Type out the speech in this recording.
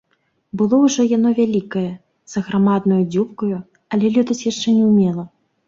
Было ўжо яно вялікае, з аграмаднаю дзюбкаю, але лётаць яшчэ не ўмела.